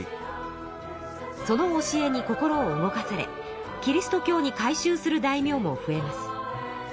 その教えに心を動かされキリスト教に改宗する大名も増えます。